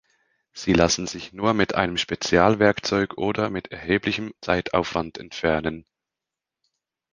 Sie lassen sich nur mit einem Spezialwerkzeug oder mit erheblichem Zeitaufwand entfernen.